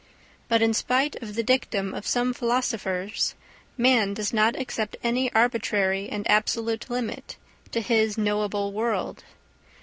But in spite of the dictum of some philosophers man does not accept any arbitrary and absolute limit to his knowable world.